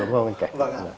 đúng không anh cảnh